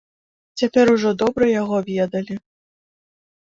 Цяпер ужо добра яго ведалі.